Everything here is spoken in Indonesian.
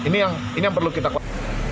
ini yang perlu kita kontak